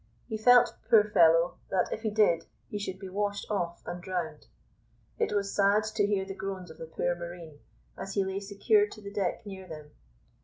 He felt, poor fellow, that if he did, he should be washed off and drowned. It was sad to hear the groans of the poor marine, as he lay secured to the deck near them.